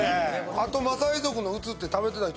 あとマサイ族の写って食べてた人